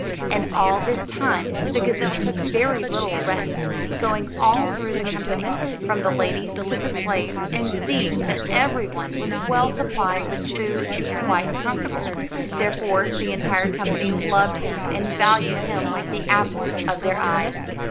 And all this time the gazelle took very little rest, going all through the company, from the ladies to the slaves, and seeing that every one was well supplied with food and quite comfortable; therefore the entire company loved him and valued him like the apples of their eyes.